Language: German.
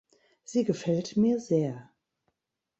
Sie gefällt mir sehr.